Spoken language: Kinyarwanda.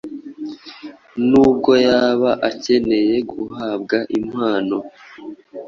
Nubwo yaba akeneye guhabwa impano